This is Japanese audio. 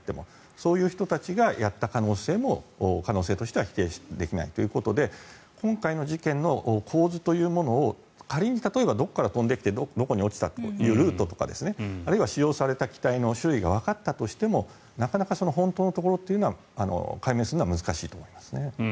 そういう人たちがやった可能性も可能性としては否定できないということで今回の事件の構図というものを仮に、例えばどこから飛んできてどこに落ちたというルートとかあるいは使用された機体の種類がわかったとしてもなかなか本当のところを解明するのは難しいと思います。